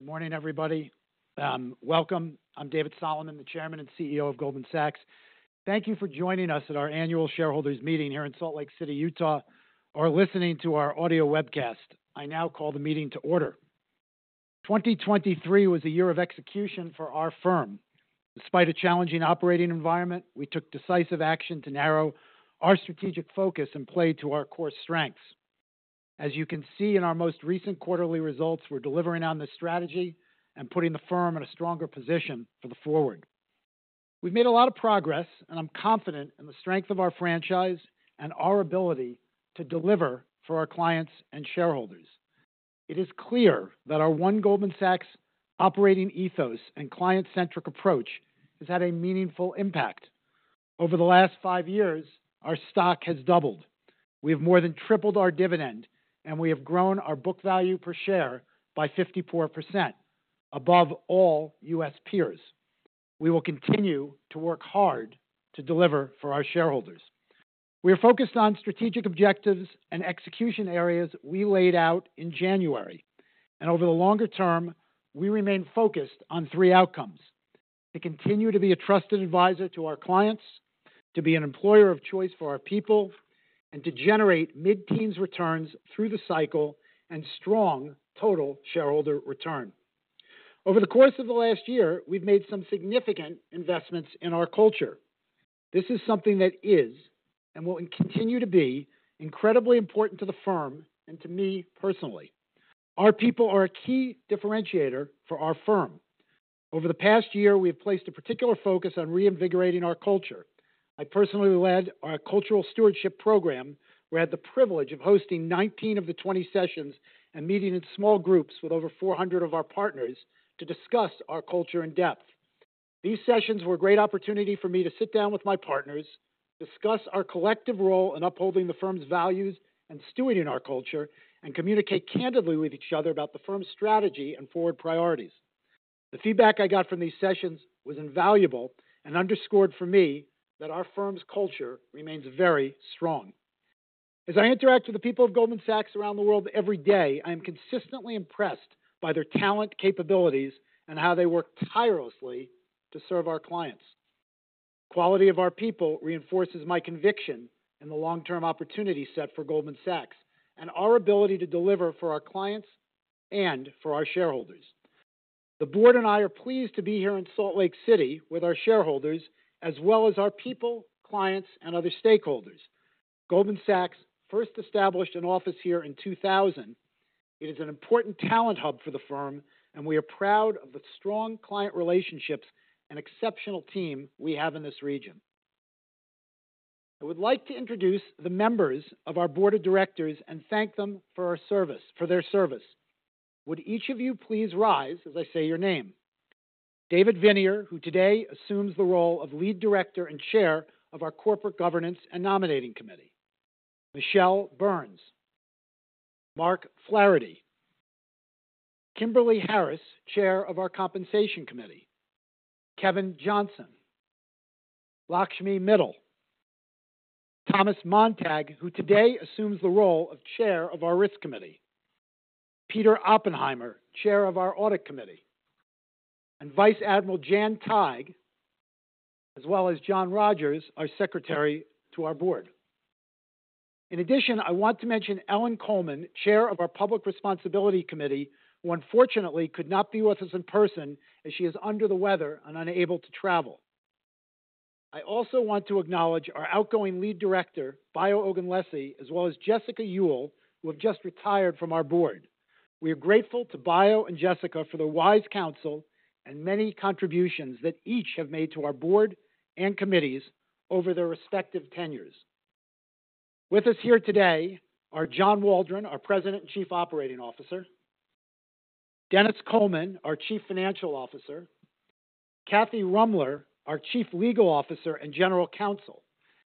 Good morning, everybody. Welcome. I'm David Solomon, the Chairman and CEO of Goldman Sachs. Thank you for joining us at our annual Shareholders' Meeting here in Salt Lake City, Utah, or listening to our audio webcast. I now call the meeting to order. 2023 was a year of execution for our firm. Despite a challenging operating environment, we took decisive action to narrow our strategic focus and play to our core strengths. As you can see in our most recent quarterly results, we're delivering on this strategy and putting the firm in a stronger position for the forward. We've made a lot of progress, and I'm confident in the strength of our franchise and our ability to deliver for our clients and shareholders. It is clear that our One Goldman Sachs operating ethos and client-centric approach has had a meaningful impact. Over the last five years, our stock has doubled. We have more than tripled our dividend, and we have grown our book value per share by 54% above all U.S. peers. We will continue to work hard to deliver for our shareholders. We are focused on strategic objectives and execution areas we laid out in January. Over the longer term, we remain focused on three outcomes: to continue to be a trusted advisor to our clients, to be an employer of choice for our people, and to generate mid-teens returns through the cycle and strong total shareholder return. Over the course of the last year, we've made some significant investments in our culture. This is something that is and will continue to be incredibly important to the firm and to me personally. Our people are a key differentiator for our firm. Over the past year, we have placed a particular focus on reinvigorating our culture. I personally led our Cultural Stewardship Program. We had the privilege of hosting 19 of the 20 sessions and meeting in small groups with over 400 of our partners to discuss our culture in depth. These sessions were a great opportunity for me to sit down with my partners, discuss our collective role in upholding the firm's values and stewarding our culture, and communicate candidly with each other about the firm's strategy and forward priorities. The feedback I got from these sessions was invaluable and underscored for me that our firm's culture remains very strong. As I interact with the people of Goldman Sachs around the world every day, I am consistently impressed by their talent, capabilities, and how they work tirelessly to serve our clients. The quality of our people reinforces my conviction in the long-term opportunity set for Goldman Sachs and our ability to deliver for our clients and for our shareholders. The board and I are pleased to be here in Salt Lake City with our shareholders as well as our people, clients, and other stakeholders. Goldman Sachs first established an office here in 2000. It is an important talent hub for the firm, and we are proud of the strong client relationships and exceptional team we have in this region. I would like to introduce the members of our Board of Directors and thank them for their service. Would each of you please rise, as I say your name? David Viniar, who today assumes the role of Lead Director and Chair of our Corporate Governance and Nominating Committee. Michelle Burns. Mark Flaherty. Kim Harris, Chair of our Compensation Committee. Kevin Johnson. Lakshmi Mittal. Thomas Montag, who today assumes the role of Chair of our Risk Committee. Peter Oppenheimer, Chair of our Audit Committee. Vice Admiral Jan Tighe, as well as John Rogers, our Secretary to our Board. In addition, I want to mention Ellen Kullman, Chair of our Public Responsibility Committee, who unfortunately could not be with us in person as she is under the weather and unable to travel. I also want to acknowledge our outgoing Lead Director, Adebayo Ogunlesi, as well as Jessica Uhl, who have just retired from our Board. We are grateful to Bayo and Jessica for their wise counsel and many contributions that each have made to our Board and committees over their respective tenures. With us here today are John Waldron, our President and Chief Operating Officer. Dennis Coleman, our Chief Financial Officer. Kathy Ruemmler, our Chief Legal Officer and General Counsel.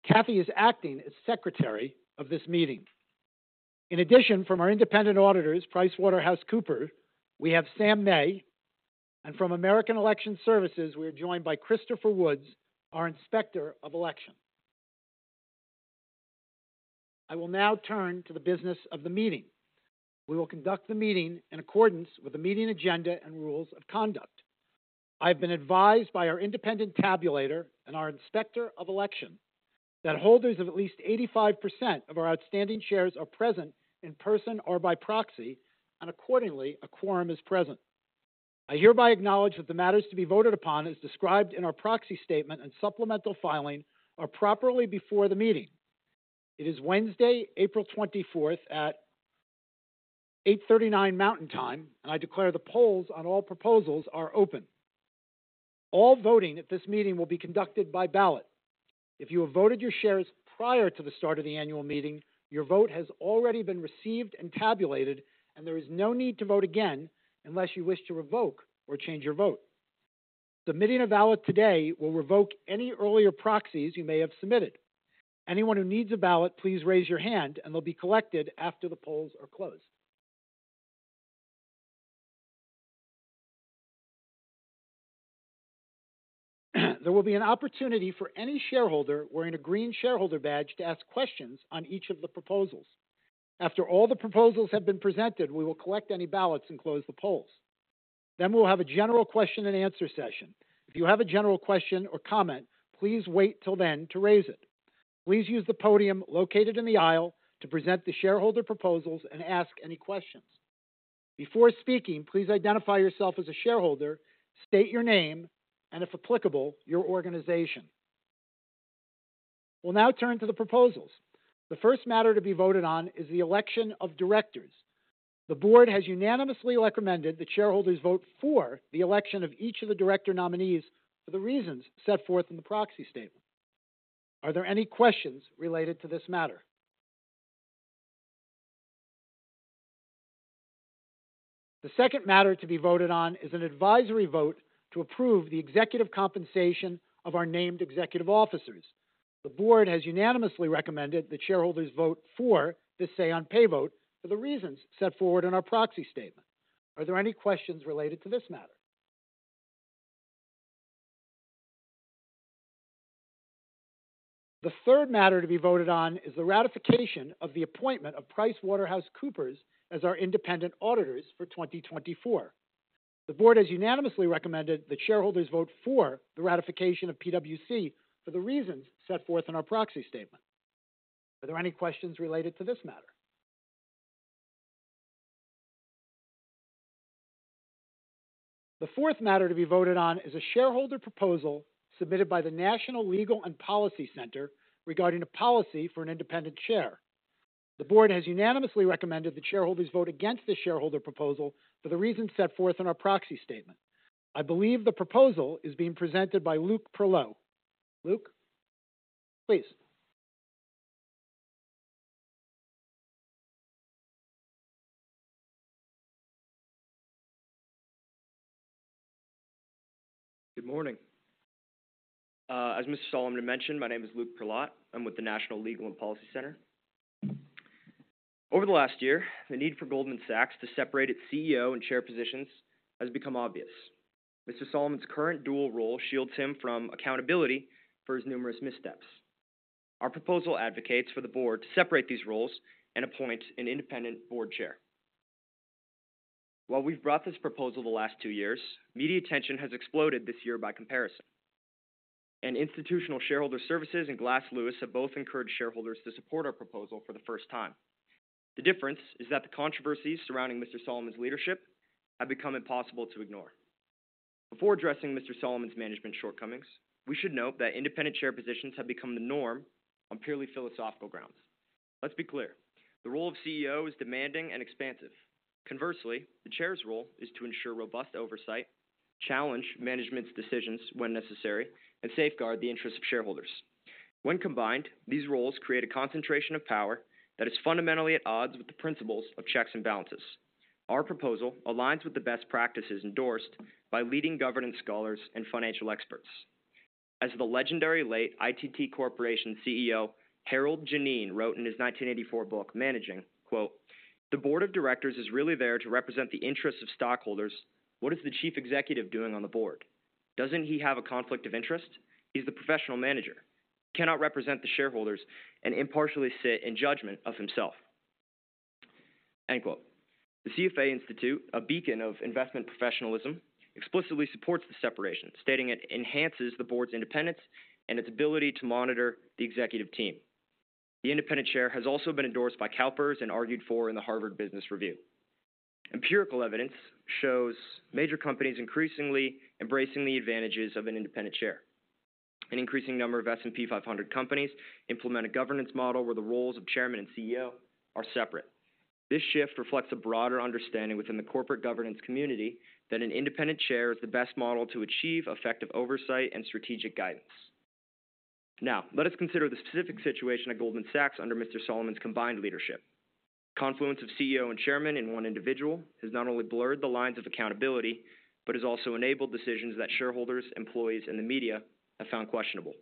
Kathy is acting as Secretary of this meeting. In addition, from our independent auditors, PricewaterhouseCoopers, we have Sam May. And from American Election Services, we are joined by Christopher Woods, our Inspector of Election. I will now turn to the business of the meeting. We will conduct the meeting in accordance with the meeting agenda and rules of conduct. I have been advised by our independent tabulator and our Inspector of Election that holders of at least 85% of our outstanding shares are present in person or by proxy, and accordingly, a quorum is present. I hereby acknowledge that the matters to be voted upon, as described in our proxy statement and supplemental filing, are properly before the meeting. It is Wednesday, April 24th, at 8:39 A.M. Mountain Time, and I declare the polls on all proposals are open. All voting at this meeting will be conducted by ballot. If you have voted your shares prior to the start of the annual meeting, your vote has already been received and tabulated, and there is no need to vote again unless you wish to revoke or change your vote. Submitting a ballot today will revoke any earlier proxies you may have submitted. Anyone who needs a ballot, please raise your hand, and they'll be collected after the polls are closed. There will be an opportunity for any shareholder wearing a green shareholder badge to ask questions on each of the proposals. After all the proposals have been presented, we will collect any ballots and close the polls. Then we will have a general question and answer session. If you have a general question or comment, please wait till then to raise it. Please use the podium located in the aisle to present the shareholder proposals and ask any questions. Before speaking, please identify yourself as a shareholder, state your name, and if applicable, your organization. We'll now turn to the proposals. The first matter to be voted on is the election of directors. The board has unanimously recommended that shareholders vote for the election of each of the director nominees for the reasons set forth in the proxy statement. Are there any questions related to this matter? The second matter to be voted on is an advisory vote to approve the executive compensation of our named executive officers. The board has unanimously recommended that shareholders vote for this say-on-pay vote for the reasons set forth in our proxy statement. Are there any questions related to this matter? The third matter to be voted on is the ratification of the appointment of PricewaterhouseCoopers as our independent auditors for 2024. The board has unanimously recommended that shareholders vote for the ratification of PwC for the reasons set forth in our proxy statement. Are there any questions related to this matter? The fourth matter to be voted on is a shareholder proposal submitted by the National Legal and Policy Center regarding a policy for an independent chair. The board has unanimously recommended that shareholders vote against this shareholder proposal for the reasons set forth in our proxy statement. I believe the proposal is being presented by Luke Perlot. Luke? Please. Good morning. As Mr. Solomon had mentioned, my name is Luke Perlot. I'm with the National Legal and Policy Center. Over the last year, the need for Goldman Sachs to separate its CEO and chair positions has become obvious. Mr. Solomon's current dual role shields him from accountability for his numerous missteps. Our proposal advocates for the board to separate these roles and appoint an independent board chair. While we've brought this proposal the last two years, media attention has exploded this year by comparison. Institutional Shareholder Services and Glass Lewis have both encouraged shareholders to support our proposal for the first time. The difference is that the controversies surrounding Mr. Solomon's leadership have become impossible to ignore. Before addressing Mr. Solomon's management shortcomings, we should note that independent chair positions have become the norm on purely philosophical grounds. Let's be clear: the role of CEO is demanding and expansive. Conversely, the chair's role is to ensure robust oversight, challenge management's decisions when necessary, and safeguard the interests of shareholders. When combined, these roles create a concentration of power that is fundamentally at odds with the principles of checks and balances. Our proposal aligns with the best practices endorsed by leading governance scholars and financial experts. As the legendary late ITT Corporation CEO Harold Geneen wrote in his 1984 book, Managing, quote, "The board of directors is really there to represent the interests of stockholders. What is the chief executive doing on the board? Doesn't he have a conflict of interest? He's the professional manager. He cannot represent the shareholders and impartially sit in judgment of himself." End quote. The CFA Institute, a beacon of investment professionalism, explicitly supports the separation, stating it "enhances the board's independence and its ability to monitor the executive team." The independent chair has also been endorsed by CalPERS and argued for in the Harvard Business Review. Empirical evidence shows major companies increasingly embracing the advantages of an independent chair. An increasing number of S&P 500 companies implement a governance model where the roles of chairman and CEO are separate. This shift reflects a broader understanding within the corporate governance community that an independent chair is the best model to achieve effective oversight and strategic guidance. Now, let us consider the specific situation at Goldman Sachs under Mr. Solomon's combined leadership. The confluence of CEO and chairman in one individual has not only blurred the lines of accountability but has also enabled decisions that shareholders, employees, and the media have found questionable.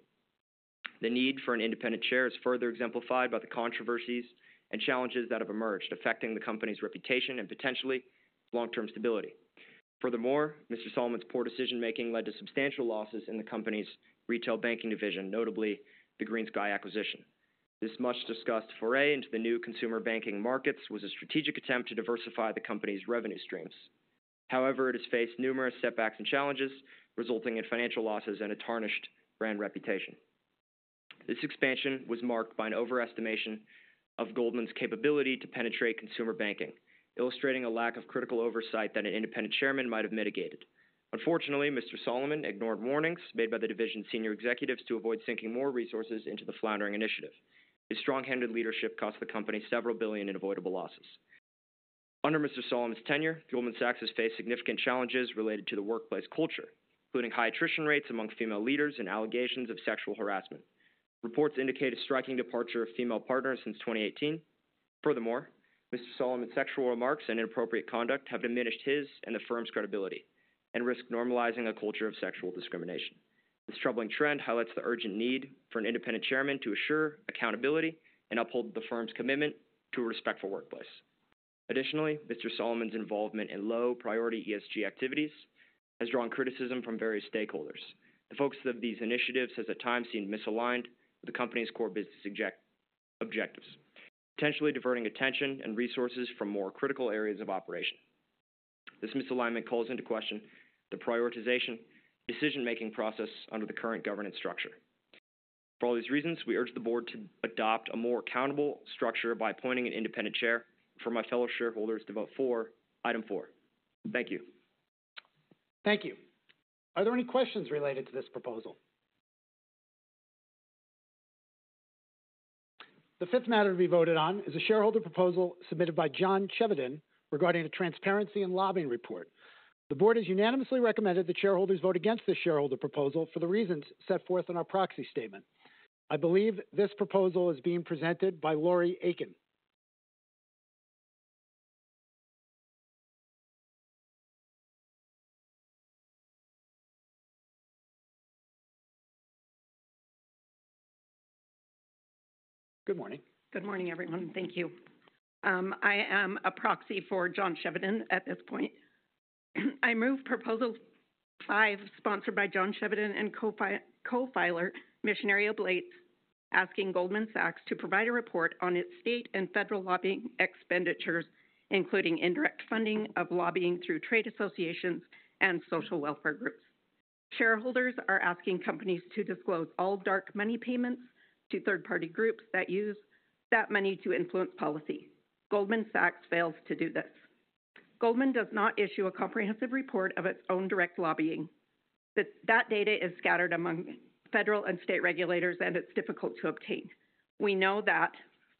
The need for an independent chair is further exemplified by the controversies and challenges that have emerged, affecting the company's reputation and potentially long-term stability. Furthermore, Mr. Solomon's poor decision-making led to substantial losses in the company's retail banking division, notably the GreenSky acquisition. This much-discussed foray into the new consumer banking markets was a strategic attempt to diversify the company's revenue streams. However, it has faced numerous setbacks and challenges, resulting in financial losses and a tarnished brand reputation. This expansion was marked by an overestimation of Goldman's capability to penetrate consumer banking, illustrating a lack of critical oversight that an independent chairman might have mitigated. Unfortunately, Mr. Solomon ignored warnings made by the division's senior executives to avoid sinking more resources into the floundering initiative. His strong-handed leadership cost the company $several billion in avoidable losses. Under Mr. Solomon's tenure, Goldman Sachs has faced significant challenges related to the workplace culture, including high attrition rates among female leaders and allegations of sexual harassment. Reports indicate a striking departure of female partners since 2018. Furthermore, Mr. Solomon's sexual remarks and inappropriate conduct have diminished his and the firm's credibility and risks normalizing a culture of sexual discrimination. This troubling trend highlights the urgent need for an independent chairman to assure accountability and uphold the firm's commitment to a respectful workplace. Additionally, Mr. Solomon's involvement in low-priority ESG activities has drawn criticism from various stakeholders. The focus of these initiatives has at times seemed misaligned with the company's core business objectives, potentially diverting attention and resources from more critical areas of operation. This misalignment calls into question the prioritization and decision-making process under the current governance structure. For all these reasons, we urge the board to adopt a more accountable structure by appointing an independent chair. For my fellow shareholders to vote for item four. Thank you. Thank you. Are there any questions related to this proposal? The fifth matter to be voted on is a shareholder proposal submitted by John Chevedden regarding a transparency and lobbying report. The board has unanimously recommended that shareholders vote against this shareholder proposal for the reasons set forth in our proxy statement. I believe this proposal is being presented by Lori Aiken. Good morning. Good morning, everyone. Thank you. I am a proxy for John Chevedden at this point. I move Proposal Five, sponsored by John Chevedden and co-filer Missionary Oblate, asking Goldman Sachs to provide a report on its state and federal lobbying expenditures, including indirect funding of lobbying through trade associations and social welfare groups. Shareholders are asking companies to disclose all dark money payments to third-party groups that use that money to influence policy. Goldman Sachs fails to do this. Goldman does not issue a comprehensive report of its own direct lobbying. That data is scattered among federal and state regulators, and it's difficult to obtain. We know that,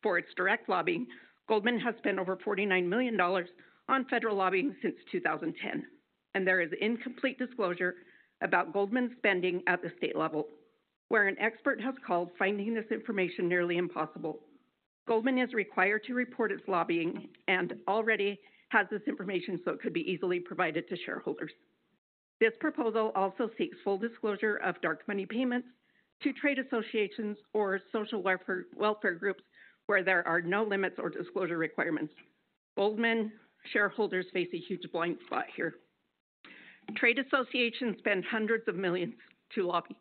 for its direct lobbying, Goldman has spent over $49 million on federal lobbying since 2010, and there is incomplete disclosure about Goldman's spending at the state level, where an expert has called finding this information nearly impossible. Goldman is required to report its lobbying and already has this information so it could be easily provided to shareholders. This proposal also seeks full disclosure of dark money payments to trade associations or social welfare groups where there are no limits or disclosure requirements. Goldman shareholders face a huge blind spot here. Trade associations spend hundreds of millions to lobby.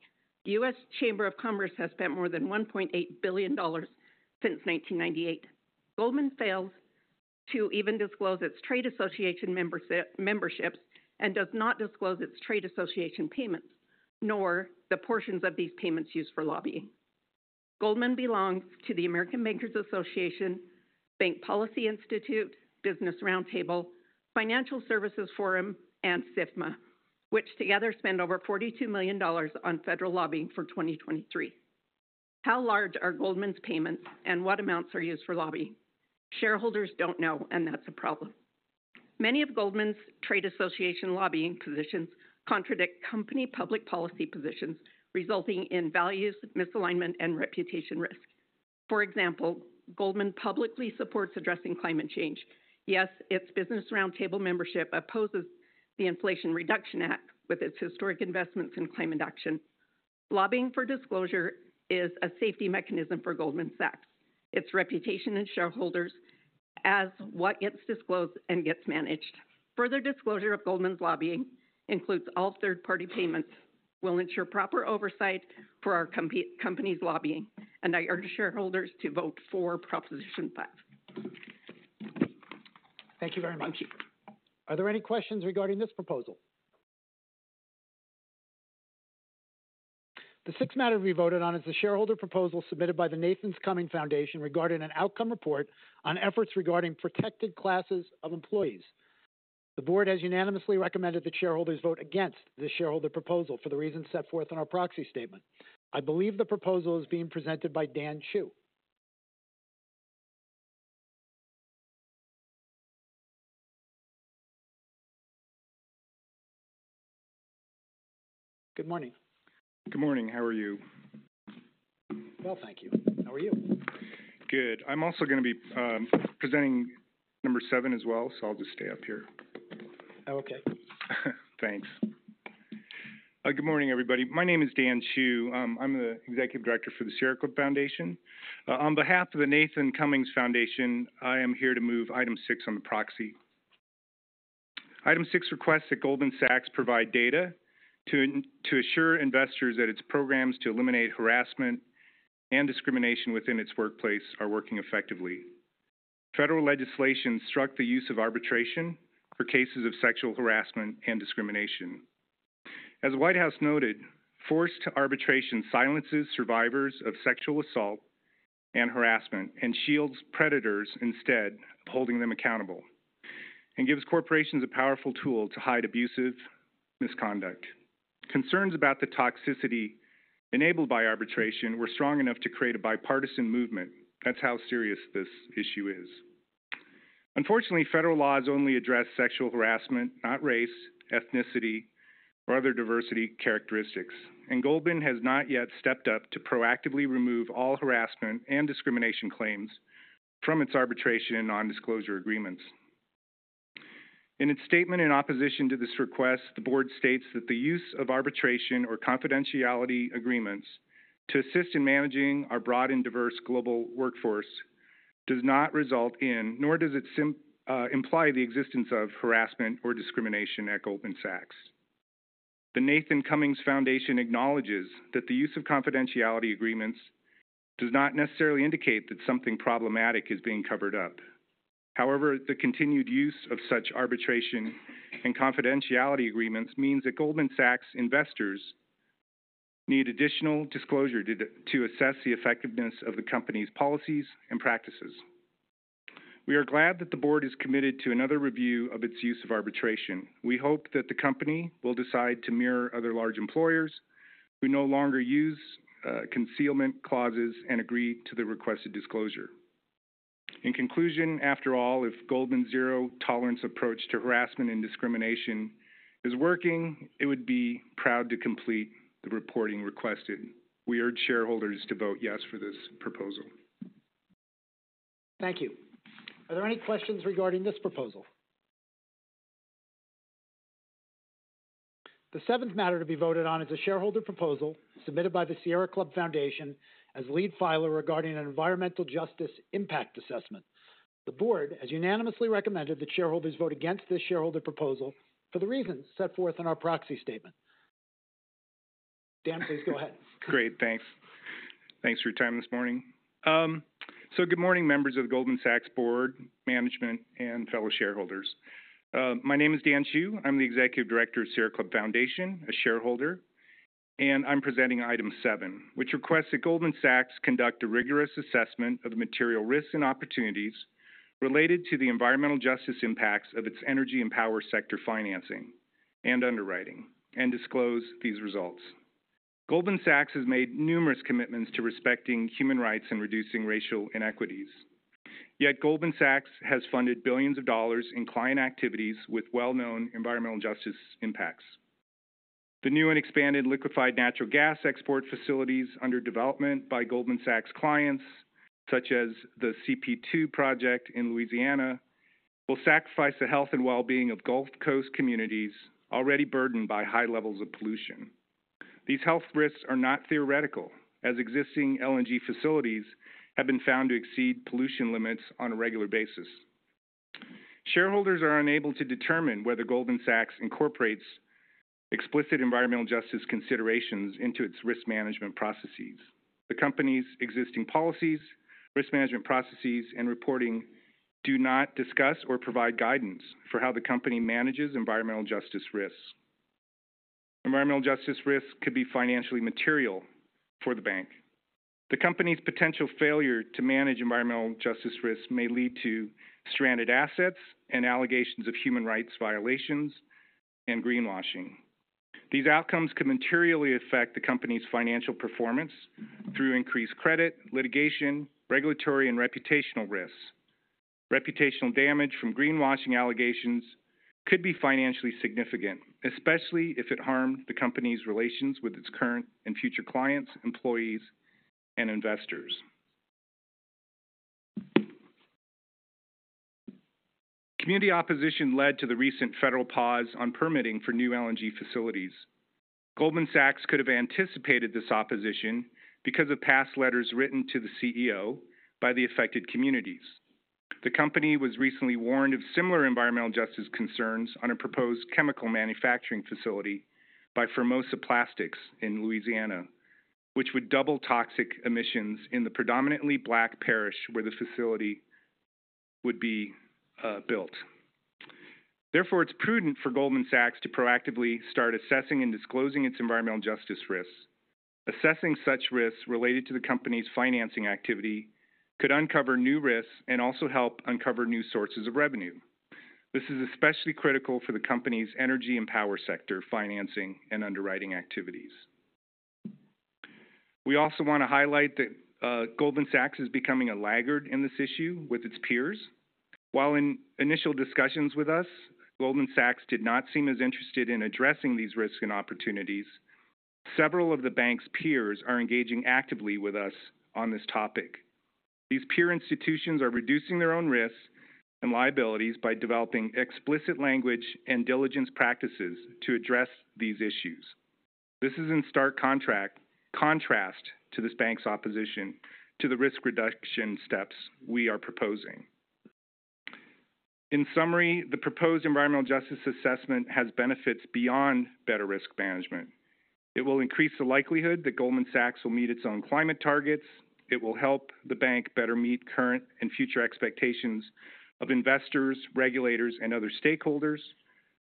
The U.S. Chamber of Commerce has spent more than $1.8 billion since 1998. Goldman fails to even disclose its trade association memberships and does not disclose its trade association payments, nor the portions of these payments used for lobbying. Goldman belongs to the American Bankers Association, Bank Policy Institute, Business Roundtable, Financial Services Forum, and SIFMA, which together spend over $42 million on federal lobbying for 2023. How large are Goldman's payments and what amounts are used for lobbying? Shareholders don't know, and that's a problem. Many of Goldman's trade association lobbying positions contradict company public policy positions, resulting in values misalignment and reputation risk. For example, Goldman publicly supports addressing climate change. Yes, its Business Roundtable membership opposes the Inflation Reduction Act with its historic investments in climate action. Lobbying for disclosure is a safety mechanism for Goldman Sachs, its reputation and shareholders as what gets disclosed and gets managed. Further disclosure of Goldman's lobbying, including all third-party payments, will ensure proper oversight for our company's lobbying, and I urge shareholders to vote for Proposition Five. Thank you very much. Thank you. Are there any questions regarding this proposal? The sixth matter to be voted on is the shareholder proposal submitted by the Nathan Cummings Foundation regarding an outcome report on efforts regarding protected classes of employees. The board has unanimously recommended that shareholders vote against this shareholder proposal for the reasons set forth in our proxy statement. I believe the proposal is being presented by Dan Chu. Good morning. Good morning. How are you? Well, thank you. How are you? Good. I'm also going to be presenting number seven as well, so I'll just stay up here. Oh, okay. Thanks. Good morning, everybody. My name is Dan Chu. I'm the executive director for the Sierra Club Foundation. On behalf of the Nathan Cummings Foundation, I am here to move item six on the proxy. Item six requests that Goldman Sachs provide data to assure investors that its programs to eliminate harassment and discrimination within its workplace are working effectively. Federal legislation struck the use of arbitration for cases of sexual harassment and discrimination. As the White House noted, forced arbitration silences survivors of sexual assault and harassment and shields predators instead of holding them accountable and gives corporations a powerful tool to hide abusive misconduct. Concerns about the toxicity enabled by arbitration were strong enough to create a bipartisan movement. That's how serious this issue is. Unfortunately, federal laws only address sexual harassment, not race, ethnicity, or other diversity characteristics, and Goldman has not yet stepped up to proactively remove all harassment and discrimination claims from its arbitration and nondisclosure agreements. In its statement in opposition to this request, the board states that the use of arbitration or confidentiality agreements to assist in managing our broad and diverse global workforce does not result in, nor does it imply the existence of harassment or discrimination at Goldman Sachs. The Nathan Cummings Foundation acknowledges that the use of confidentiality agreements does not necessarily indicate that something problematic is being covered up. However, the continued use of such arbitration and confidentiality agreements means that Goldman Sachs investors need additional disclosure to assess the effectiveness of the company's policies and practices. We are glad that the board is committed to another review of its use of arbitration. We hope that the company will decide to mirror other large employers who no longer use concealment clauses and agree to the requested disclosure. In conclusion, after all, if Goldman's zero-tolerance approach to harassment and discrimination is working, it would be proud to complete the reporting requested. We urge shareholders to vote yes for this proposal. Thank you. Are there any questions regarding this proposal? The seventh matter to be voted on is a shareholder proposal submitted by the Sierra Club Foundation as lead filer regarding an environmental justice impact assessment. The board has unanimously recommended that shareholders vote against this shareholder proposal for the reasons set forth in our proxy statement. Dan, please go ahead. Great. Thanks. Thanks for your time this morning. Good morning, members of the Goldman Sachs board, management, and fellow shareholders. My name is Dan Chu. I'm the executive director of Sierra Club Foundation, a shareholder, and I'm presenting item seven, which requests that Goldman Sachs conduct a rigorous assessment of the material risks and opportunities related to the environmental justice impacts of its energy and power sector financing and underwriting, and disclose these results. Goldman Sachs has made numerous commitments to respecting human rights and reducing racial inequities. Yet Goldman Sachs has funded $ billions in client activities with well-known environmental justice impacts. The new and expanded liquefied natural gas export facilities under development by Goldman Sachs clients, such as the CP2 project in Louisiana, will sacrifice the health and well-being of Gulf Coast communities already burdened by high levels of pollution. These health risks are not theoretical, as existing LNG facilities have been found to exceed pollution limits on a regular basis. Shareholders are unable to determine whether Goldman Sachs incorporates explicit environmental justice considerations into its risk management processes. The company's existing policies, risk management processes, and reporting do not discuss or provide guidance for how the company manages environmental justice risks. Environmental justice risks could be financially material for the bank. The company's potential failure to manage environmental justice risks may lead to stranded assets and allegations of human rights violations and greenwashing. These outcomes could materially affect the company's financial performance through increased credit, litigation, regulatory, and reputational risks. Reputational damage from greenwashing allegations could be financially significant, especially if it harmed the company's relations with its current and future clients, employees, and investors. Community opposition led to the recent federal pause on permitting for new LNG facilities. Goldman Sachs could have anticipated this opposition because of past letters written to the CEO by the affected communities. The company was recently warned of similar environmental justice concerns on a proposed chemical manufacturing facility by Formosa Plastics in Louisiana, which would double toxic emissions in the predominantly Black Parish where the facility would be built. Therefore, it's prudent for Goldman Sachs to proactively start assessing and disclosing its environmental justice risks. Assessing such risks related to the company's financing activity could uncover new risks and also help uncover new sources of revenue. This is especially critical for the company's energy and power sector financing and underwriting activities. We also want to highlight that Goldman Sachs is becoming a laggard in this issue with its peers. While in initial discussions with us, Goldman Sachs did not seem as interested in addressing these risks and opportunities. Several of the bank's peers are engaging actively with us on this topic. These peer institutions are reducing their own risks and liabilities by developing explicit language and diligence practices to address these issues. This is in stark contrast to this bank's opposition to the risk reduction steps we are proposing. In summary, the proposed environmental justice assessment has benefits beyond better risk management. It will increase the likelihood that Goldman Sachs will meet its own climate targets. It will help the bank better meet current and future expectations of investors, regulators, and other stakeholders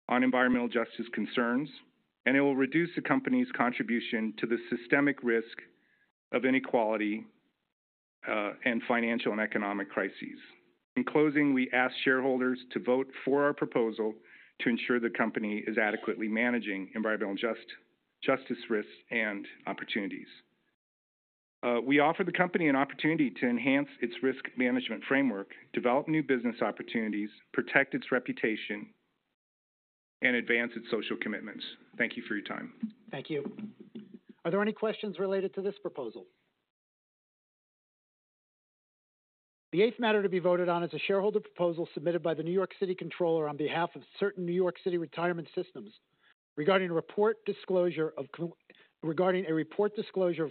on environmental justice concerns, and it will reduce the company's contribution to the systemic risk of inequality and financial and economic crises. In closing, we ask shareholders to vote for our proposal to ensure the company is adequately managing environmental justice risks and opportunities. We offer the company an opportunity to enhance its risk management framework, develop new business opportunities, protect its reputation, and advance its social commitments. Thank you for your time. Thank you. Are there any questions related to this proposal? The eighth matter to be voted on is a shareholder proposal submitted by the New York City Comptroller on behalf of Certain New York City Retirement Systems regarding a report disclosure of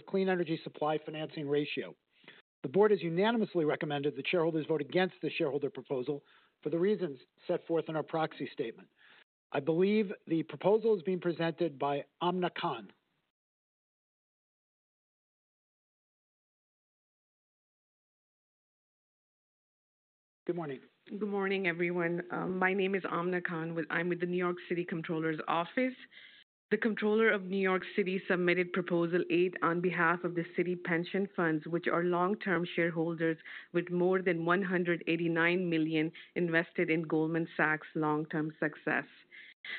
clean energy financing ratio. The board has unanimously recommended that shareholders vote against this shareholder proposal for the reasons set forth in our proxy statement. I believe the proposal is being presented by Amna Khan. Good morning. Good morning, everyone. My name is Amna Khan. I'm with the New York City Comptroller's office. The Comptroller of New York City submitted Proposal Eight on behalf of the City Pension Funds, which are long-term shareholders with more than $189 million invested in Goldman Sachs' long-term success.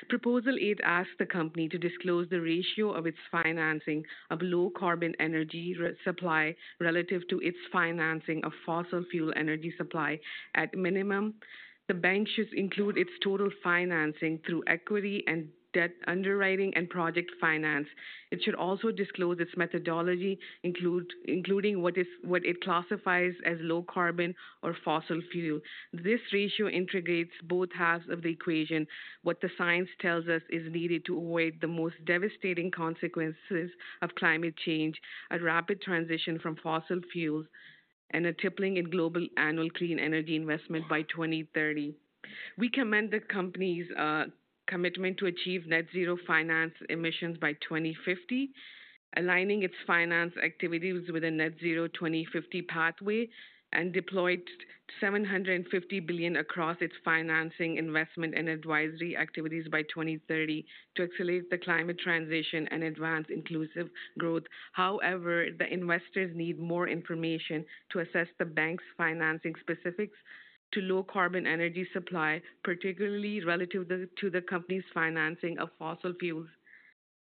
Proposal Eight asks the company to disclose the ratio of its financing of low-carbon energy supply relative to its financing of fossil fuel energy supply at minimum. The bank should include its total financing through equity and debt underwriting and project finance. It should also disclose its methodology, including what it classifies as low-carbon or fossil fuel. This ratio integrates both halves of the equation. What the science tells us is needed to avoid the most devastating consequences of climate change, a rapid transition from fossil fuels, and a tipping in global annual clean energy investment by 2030. We commend the company's commitment to achieve net-zero finance emissions by 2050, aligning its finance activities with a net-zero 2050 pathway, and deployed $750 billion across its financing, investment, and advisory activities by 2030 to accelerate the climate transition and advance inclusive growth. However, the investors need more information to assess the bank's financing specifics to low-carbon energy supply, particularly relative to the company's financing of fossil fuels.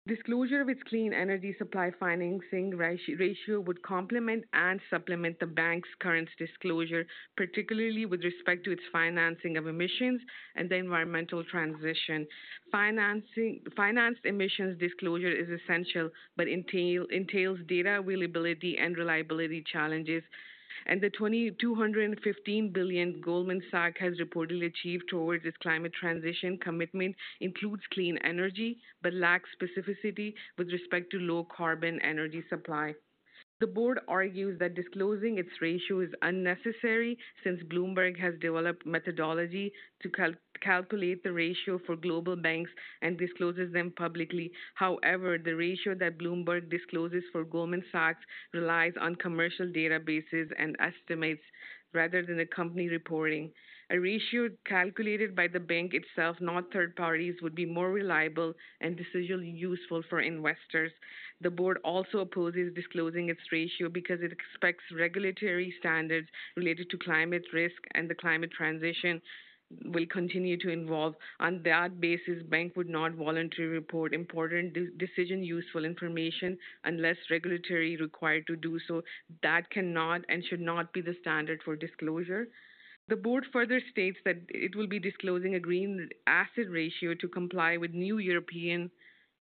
Disclosure of its clean energy supply financing ratio would complement and supplement the bank's current disclosure, particularly with respect to its financing of emissions and the environmental transition. Financed emissions disclosure is essential but entails data availability and reliability challenges. The $215 billion Goldman Sachs has reportedly achieved towards its climate transition commitment includes clean energy but lacks specificity with respect to low-carbon energy supply. The board argues that disclosing its ratio is unnecessary since Bloomberg has developed methodology to calculate the ratio for global banks and discloses them publicly. However, the ratio that Bloomberg discloses for Goldman Sachs relies on commercial databases and estimates rather than the company reporting. A ratio calculated by the bank itself, not third parties, would be more reliable and decisionally useful for investors. The board also opposes disclosing its ratio because it expects regulatory standards related to climate risk and the climate transition will continue to evolve. On that basis, the bank would not voluntarily report important decision-useful information unless regulation is required to do so. That cannot and should not be the standard for disclosure. The board further states that it will be disclosing a Green Asset Ratio to comply with new European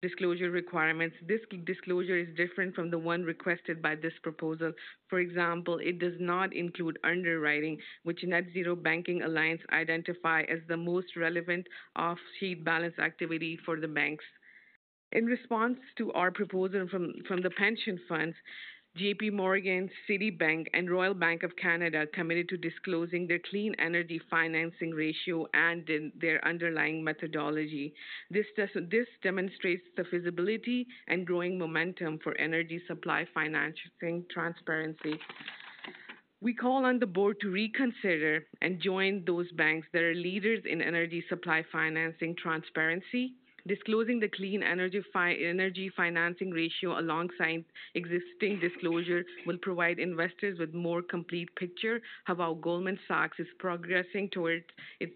disclosure requirements. This disclosure is different from the one requested by this proposal. For example, it does not include underwriting, which Net Zero Banking Alliance identifies as the most relevant off-balance-sheet activity for the banks. In response to our proposal from the pension funds, JP Morgan, Citibank, and Royal Bank of Canada committed to disclosing their clean energy financing ratio and their underlying methodology. This demonstrates the feasibility and growing momentum for energy supply financing transparency. We call on the board to reconsider and join those banks that are leaders in energy supply financing transparency. Disclosing the clean energy financing ratio alongside existing disclosure will provide investors with a more complete picture of how Goldman Sachs is progressing towards its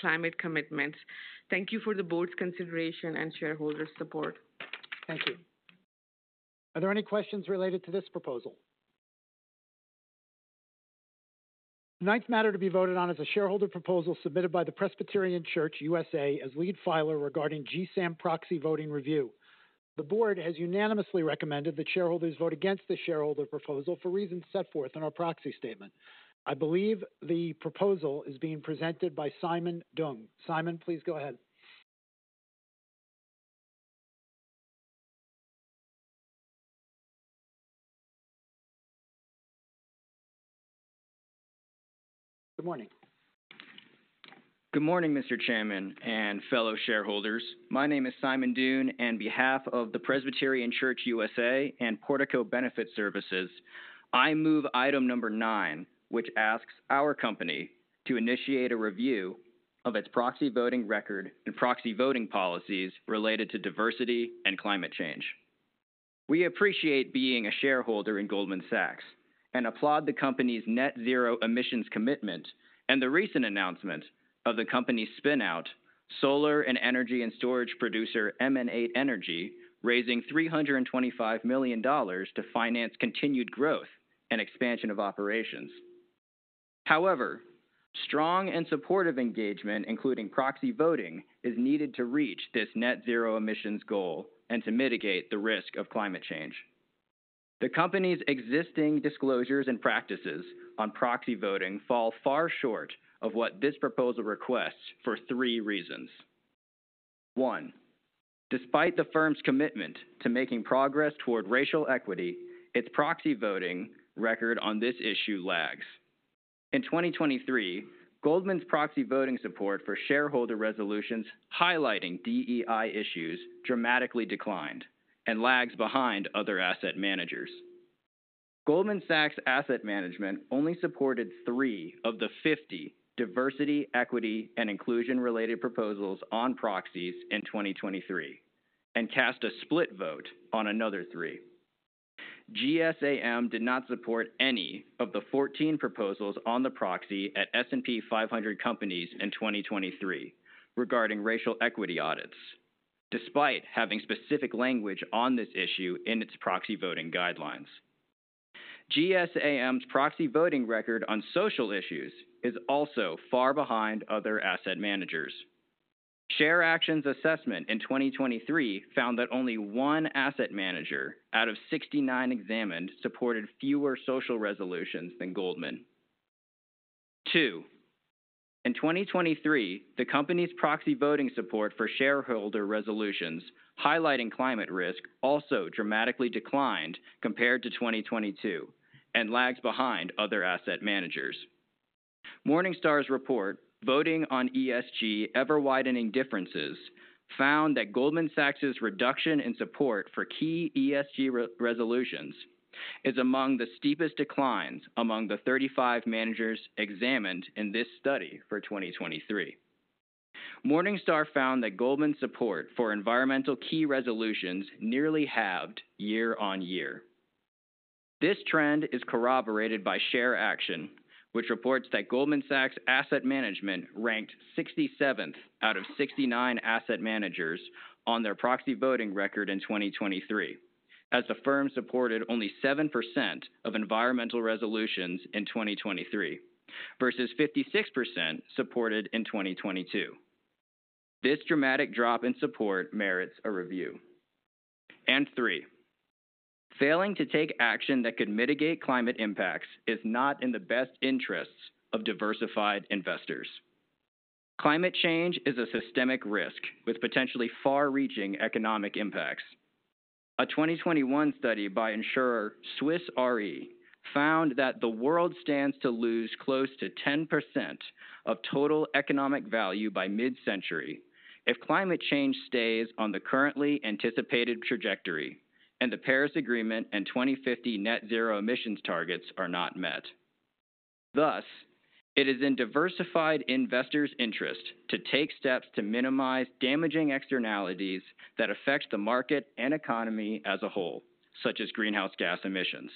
climate commitments. Thank you for the board's consideration and shareholders' support. Thank you. Are there any questions related to this proposal? The ninth matter to be voted on is a shareholder proposal submitted by the Presbyterian Church, USA, as lead filer regarding GSAM proxy voting review. The board has unanimously recommended that shareholders vote against this shareholder proposal for reasons set forth in our proxy statement. I believe the proposal is being presented by Simon Doong. Simon, please go ahead. Good morning. Good morning, Mr. Chairman and fellow shareholders. My name is Simon Doong. On behalf of the Presbyterian Church, USA, and Portico Benefit Services, I move item number nine, which asks our company to initiate a review of its proxy voting record and proxy voting policies related to diversity and climate change. We appreciate being a shareholder in Goldman Sachs and applaud the company's net-zero emissions commitment and the recent announcement of the company's spin-out solar and energy and storage producer MN8 Energy raising $325 million to finance continued growth and expansion of operations. However, strong and supportive engagement, including proxy voting, is needed to reach this net-zero emissions goal and to mitigate the risk of climate change. The company's existing disclosures and practices on proxy voting fall far short of what this proposal requests for three reasons. One, despite the firm's commitment to making progress toward racial equity, its proxy voting record on this issue lags. In 2023, Goldman's proxy voting support for shareholder resolutions highlighting DEI issues dramatically declined and lags behind other asset managers. Goldman Sachs' asset management only supported three of the 50 diversity, equity, and inclusion-related proposals on proxies in 2023 and cast a split vote on another three. GSAM did not support any of the 14 proposals on the proxy at S&P 500 companies in 2023 regarding racial equity audits, despite having specific language on this issue in its proxy voting guidelines. GSAM's proxy voting record on social issues is also far behind other asset managers. ShareAction's assessment in 2023 found that only one asset manager out of 69 examined supported fewer social resolutions than Goldman. Two, in 2023, the company's proxy voting support for shareholder resolutions highlighting climate risk also dramatically declined compared to 2022 and lags behind other asset managers. Morningstar's report, "Voting on ESG: Ever-Widening Differences," found that Goldman Sachs's reduction in support for key ESG resolutions is among the steepest declines among the 35 managers examined in this study for 2023. Morningstar found that Goldman's support for environmental key resolutions nearly halved year-over-year. This trend is corroborated by Share Action, which reports that Goldman Sachs' asset management ranked 67th out of 69 asset managers on their proxy voting record in 2023, as the firm supported only 7% of environmental resolutions in 2023 versus 56% supported in 2022. This dramatic drop in support merits a review. Three, failing to take action that could mitigate climate impacts is not in the best interests of diversified investors. Climate change is a systemic risk with potentially far-reaching economic impacts. A 2021 study by insurer Swiss Re found that the world stands to lose close to 10% of total economic value by mid-century if climate change stays on the currently anticipated trajectory and the Paris Agreement and 2050 net-zero emissions targets are not met. Thus, it is in diversified investors' interest to take steps to minimize damaging externalities that affect the market and economy as a whole, such as greenhouse gas emissions.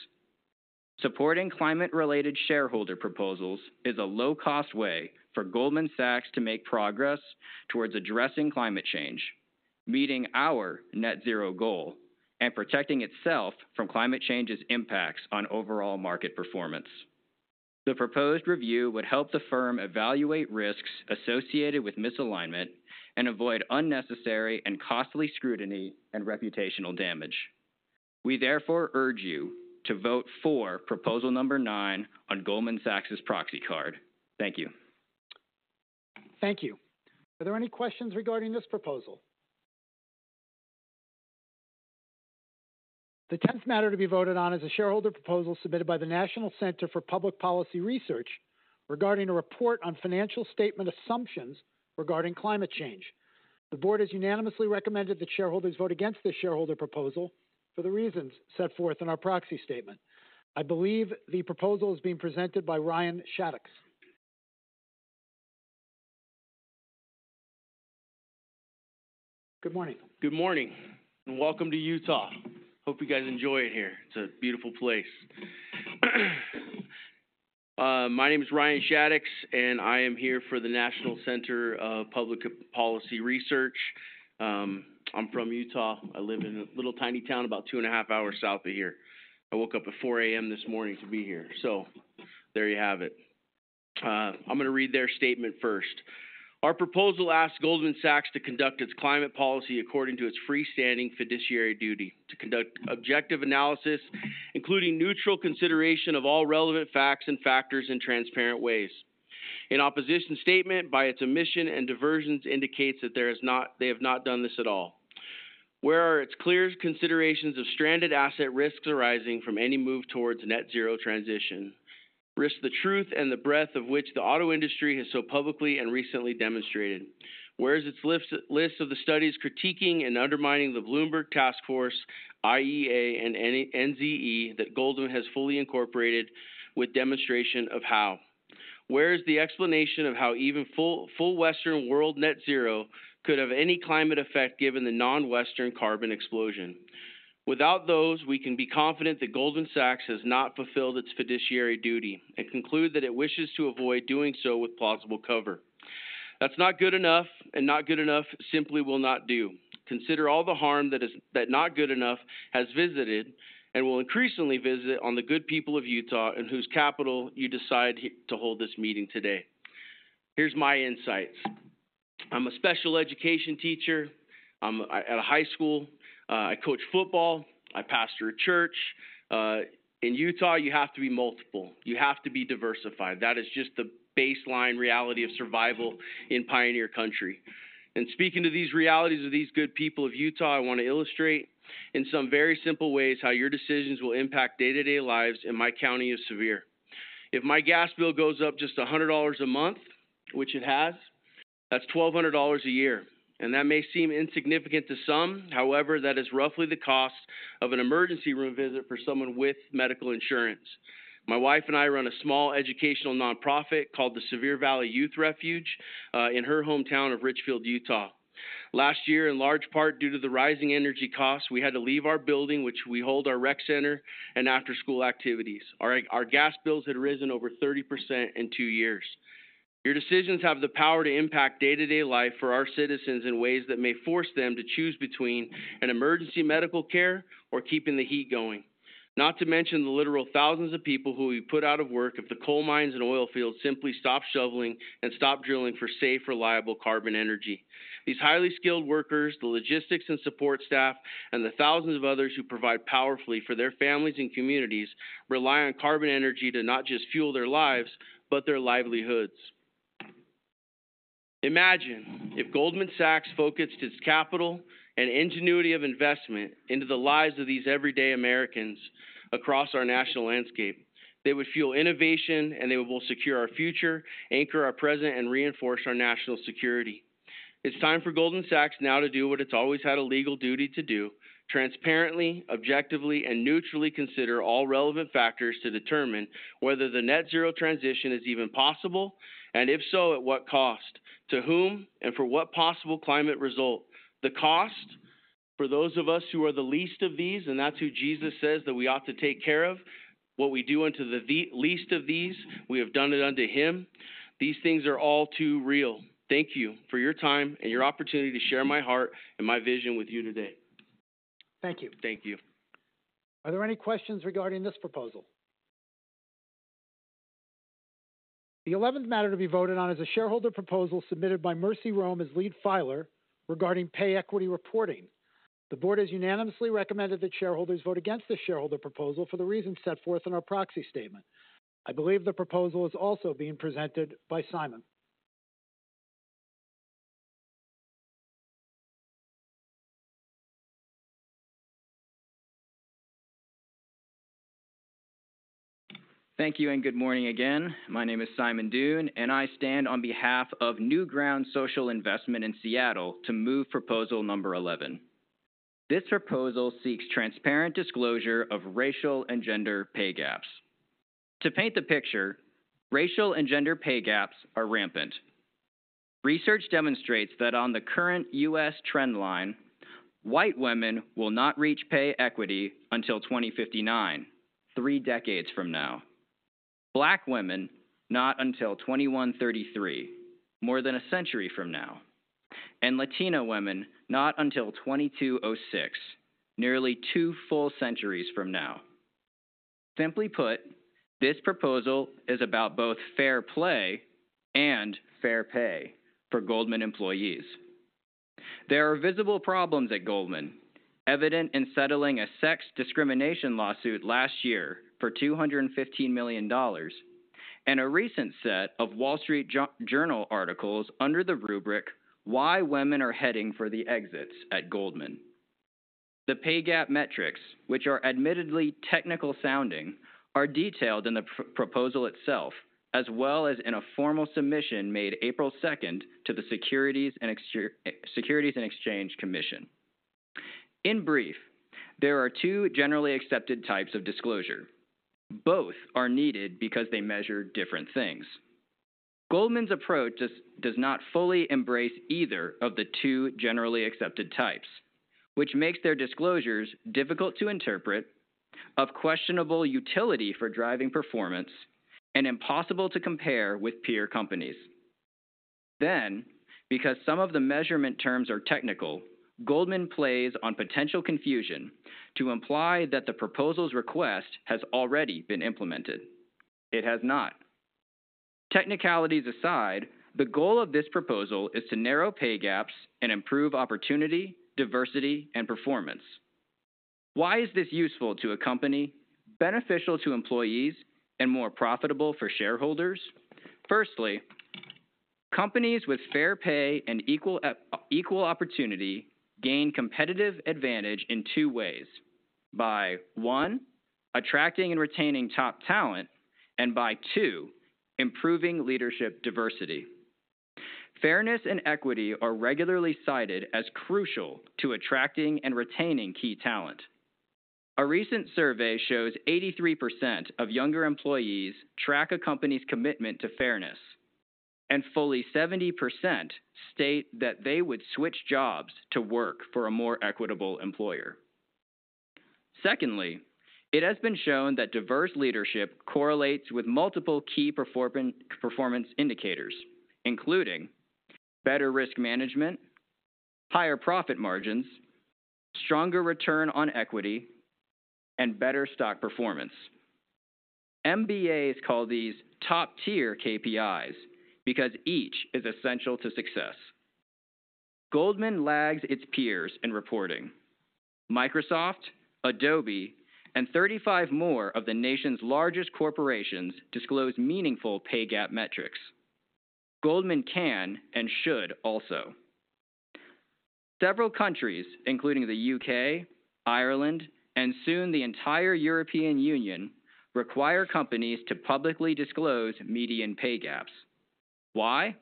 Supporting climate-related shareholder proposals is a low-cost way for Goldman Sachs to make progress towards addressing climate change, meeting our net-zero goal, and protecting itself from climate change's impacts on overall market performance. The proposed review would help the firm evaluate risks associated with misalignment and avoid unnecessary and costly scrutiny and reputational damage. We therefore urge you to vote for Proposal Number nine on Goldman Sachs' proxy card. Thank you. Thank you. Are there any questions regarding this proposal? The tenth matter to be voted on is a shareholder proposal submitted by the National Center for Public Policy Research regarding a report on financial statement assumptions regarding climate change. The board has unanimously recommended that shareholders vote against this shareholder proposal for the reasons set forth in our proxy statement. I believe the proposal is being presented by Ryan Shattuck. Good morning. Good morning and welcome to Utah. Hope you guys enjoy it here. It's a beautiful place. My name is Ryan Shattuck, and I am here for the National Center for Public Policy Research. I'm from Utah. I live in a little tiny town about two and a half hours south of here. I woke up at 4:00 A.M. this morning to be here, so there you have it. I'm going to read their statement first. Our proposal asks Goldman Sachs to conduct its climate policy according to its free-standing fiduciary duty, to conduct objective analysis including neutral consideration of all relevant facts and factors in transparent ways. An opposition statement by its omission and diversions indicates that they have not done this at all. Where are its clear considerations of stranded asset risks arising from any move towards net-zero transition? Risk the truth and the breadth of which the auto industry has so publicly and recently demonstrated. Where is its list of the studies critiquing and undermining the Bloomberg Task Force, IEA, and NZE that Goldman has fully incorporated with demonstration of how? Where is the explanation of how even full Western world net-zero could have any climate effect given the non-Western carbon explosion? Without those, we can be confident that Goldman Sachs has not fulfilled its fiduciary duty and conclude that it wishes to avoid doing so with plausible cover. That's not good enough, and not good enough simply will not do. Consider all the harm that not good enough has visited and will increasingly visit on the good people of Utah and whose capital you decide to hold this meeting today. Here's my insights. I'm a special education teacher at a high school. I coach football. I pastor a church. In Utah, you have to be multiple. You have to be diversified. That is just the baseline reality of survival in pioneer country. And speaking to these realities of these good people of Utah, I want to illustrate in some very simple ways how your decisions will impact day-to-day lives in my county of Sevier. If my gas bill goes up just $100 a month, which it has, that's $1,200 a year. And that may seem insignificant to some. However, that is roughly the cost of an emergency room visit for someone with medical insurance. My wife and I run a small educational nonprofit called the Sevier Valley Youth Refuge in her hometown of Richfield, Utah. Last year, in large part due to the rising energy costs, we had to leave our building, which we hold our rec center and after-school activities. Our gas bills had risen over 30% in two years. Your decisions have the power to impact day-to-day life for our citizens in ways that may force them to choose between an emergency medical care or keeping the heat going, not to mention the literal thousands of people who we put out of work if the coal mines and oil fields simply stop shoveling and stop drilling for safe, reliable carbon energy. These highly skilled workers, the logistics and support staff, and the thousands of others who provide powerfully for their families and communities rely on carbon energy to not just fuel their lives but their livelihoods. Imagine if Goldman Sachs focused its capital and ingenuity of investment into the lives of these everyday Americans across our national landscape. They would fuel innovation, and they will secure our future, anchor our present, and reinforce our national security. It's time for Goldman Sachs now to do what it's always had a legal duty to do: transparently, objectively, and neutrally consider all relevant factors to determine whether the net-zero transition is even possible, and if so, at what cost, to whom, and for what possible climate result. The cost for those of us who are the least of these, and that's who Jesus says that we ought to take care of, what we do unto the least of these, we have done it unto Him. These things are all too real. Thank you for your time and your opportunity to share my heart and my vision with you today. Thank you. Thank you. Are there any questions regarding this proposal? The eleventh matter to be voted on is a shareholder proposal submitted by Mercy Rome as lead filer regarding pay equity reporting. The board has unanimously recommended that shareholders vote against this shareholder proposal for the reasons set forth in our proxy statement. I believe the proposal is also being presented by Simon. Thank you and good morning again. My name is Simon Dung, and I stand on behalf of New Ground Social Investment in Seattle to move Proposal Number 11. This proposal seeks transparent disclosure of racial and gender pay gaps. To paint the picture, racial and gender pay gaps are rampant. Research demonstrates that on the current U.S. trendline, white women will not reach pay equity until 2059, three decades from now. Black women, not until 2133, more than a century from now. And Latina women, not until 2206, nearly two full centuries from now. Simply put, this proposal is about both fair play and fair pay for Goldman employees. There are visible problems at Goldman, evident in settling a sex discrimination lawsuit last year for $215 million and a recent set of Wall Street Journal articles under the rubric "Why Women Are Heading for the Exits at Goldman." The pay gap metrics, which are admittedly technical sounding, are detailed in the proposal itself as well as in a formal submission made April 2nd to the Securities and Exchange Commission. In brief, there are two generally accepted types of disclosure. Both are needed because they measure different things. Goldman's approach does not fully embrace either of the two generally accepted types, which makes their disclosures difficult to interpret, of questionable utility for driving performance, and impossible to compare with peer companies. Then, because some of the measurement terms are technical, Goldman plays on potential confusion to imply that the proposal's request has already been implemented. It has not. Technicalities aside, the goal of this proposal is to narrow pay gaps and improve opportunity, diversity, and performance. Why is this useful to a company, beneficial to employees, and more profitable for shareholders? Firstly, companies with fair pay and equal opportunity gain competitive advantage in two ways: by, one, attracting and retaining top talent, and by, two, improving leadership diversity. Fairness and equity are regularly cited as crucial to attracting and retaining key talent. A recent survey shows 83% of younger employees track a company's commitment to fairness, and fully 70% state that they would switch jobs to work for a more equitable employer. Secondly, it has been shown that diverse leadership correlates with multiple key performance indicators, including better risk management, higher profit margins, stronger return on equity, and better stock performance. MBAs call these "top-tier KPIs" because each is essential to success. Goldman lags its peers in reporting. Microsoft, Adobe, and 35 more of the nation's largest corporations disclose meaningful pay gap metrics. Goldman can and should also. Several countries, including the U.K., Ireland, and soon the entire European Union, require companies to publicly disclose median pay gaps. Why?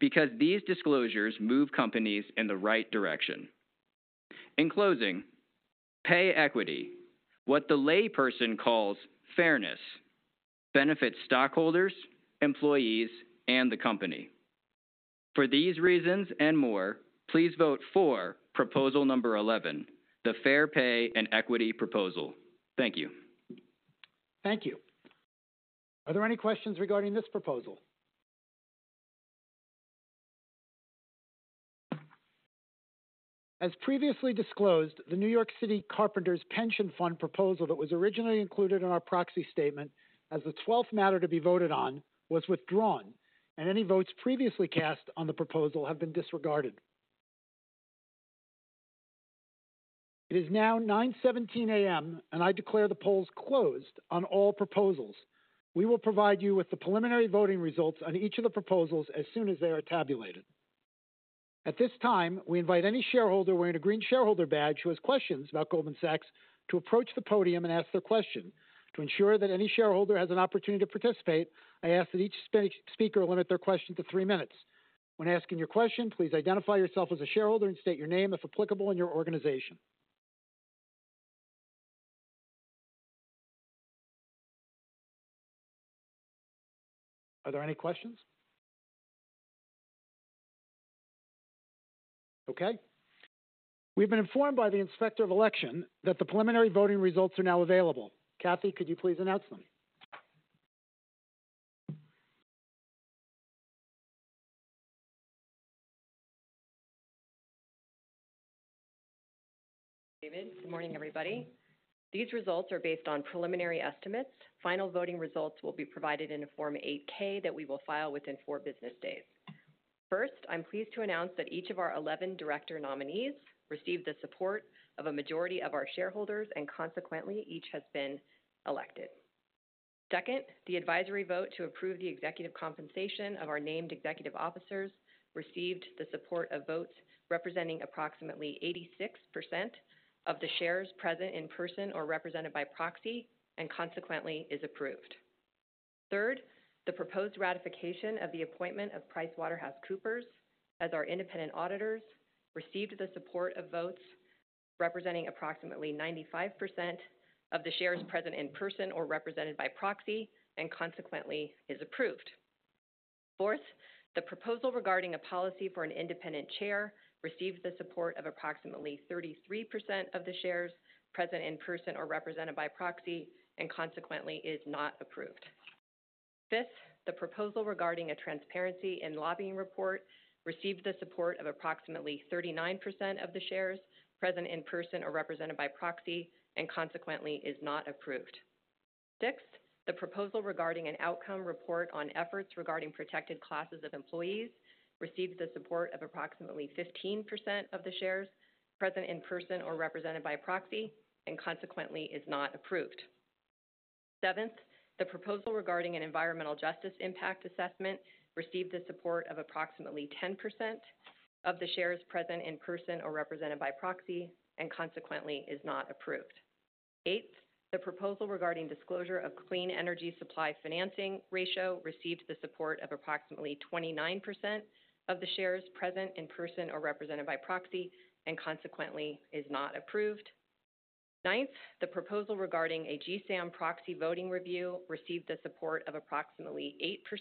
Because these disclosures move companies in the right direction. In closing, pay equity, what the layperson calls "fairness," benefits stockholders, employees, and the company. For these reasons and more, please vote for Proposal Number 11, the Fair Pay and Equity Proposal. Thank you. Thank you. Are there any questions regarding this proposal? As previously disclosed, the New York City Carpenters Pension Fund proposal that was originally included in our proxy statement as the twelfth matter to be voted on was withdrawn, and any votes previously cast on the proposal have been disregarded. It is now 9:17 A.M., and I declare the polls closed on all proposals. We will provide you with the preliminary voting results on each of the proposals as soon as they are tabulated. At this time, we invite any shareholder wearing a green shareholder badge who has questions about Goldman Sachs to approach the podium and ask their question. To ensure that any shareholder has an opportunity to participate, I ask that each speaker limit their question to three minutes. When asking your question, please identify yourself as a shareholder and state your name, if applicable, and your organization. Are there any questions? Okay. We've been informed by the inspector of election that the preliminary voting results are now available. Kathy, could you please announce them? David, good morning, everybody. These results are based on preliminary estimates. Final voting results will be provided in a Form 8-K that we will file within four business days. First, I'm pleased to announce that each of our 11 director nominees received the support of a majority of our shareholders and consequently each has been elected. Second, the advisory vote to approve the executive compensation of our named executive officers received the support of votes representing approximately 86% of the shares present in person or represented by proxy and consequently is approved. Third, the proposed ratification of the appointment of PricewaterhouseCoopers as our independent auditors received the support of votes representing approximately 95% of the shares present in person or represented by proxy and consequently is approved. Fourth, the proposal regarding a policy for an independent chair received the support of approximately 33% of the shares present in person or represented by proxy and consequently is not approved. Fifth, the proposal regarding a transparency and lobbying report received the support of approximately 39% of the shares present in person or represented by proxy and consequently is not approved. Sixth, the proposal regarding an outcome report on efforts regarding protected classes of employees received the support of approximately 15% of the shares present in person or represented by proxy and consequently is not approved. Seventh, the proposal regarding an environmental justice impact assessment received the support of approximately 10% of the shares present in person or represented by proxy and consequently is not approved. Eighth, the proposal regarding disclosure of clean energy financing ratio received the support of approximately 29% of the shares present in person or represented by proxy and consequently is not approved. Ninth, the proposal regarding a GSAM proxy voting review received the support of approximately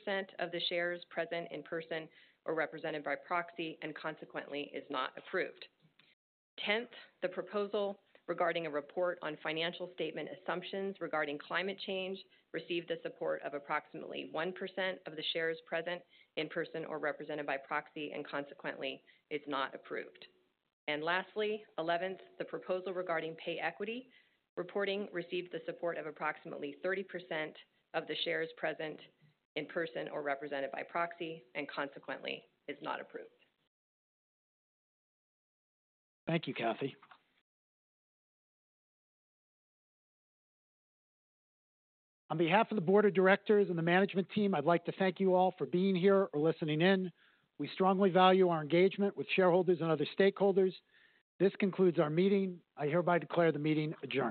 8% of the shares present in person or represented by proxy and consequently is not approved. Tenth, the proposal regarding a report on financial statement assumptions regarding climate change received the support of approximately 1% of the shares present in person or represented by proxy and consequently is not approved. And lastly, eleventh, the proposal regarding pay equity reporting received the support of approximately 30% of the shares present in person or represented by proxy and consequently is not approved. Thank you, Kathy. On behalf of the board of directors and the management team, I'd like to thank you all for being here or listening in. We strongly value our engagement with shareholders and other stakeholders. This concludes our meeting. I hereby declare the meeting adjourned.